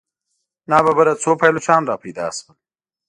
ناببره څو پایلوچان را پیدا شول.